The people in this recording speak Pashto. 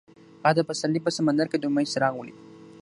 هغه د پسرلی په سمندر کې د امید څراغ ولید.